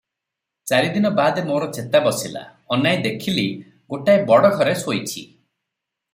ଚାରିଦିନ ବାଦେ ମୋର ଚେତା ବସିଲା, ଅନାଇ ଦେଖିଲି ଗୋଟାଏ ବଡ଼ ଘରେ ଶୋଇଛି ।